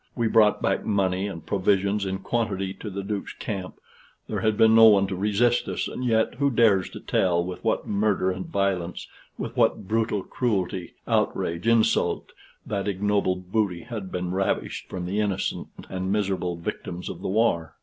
We brought back money and provisions in quantity to the Duke's camp; there had been no one to resist us, and yet who dares to tell with what murder and violence, with what brutal cruelty, outrage, insult, that ignoble booty had been ravished from the innocent and miserable victims of the war?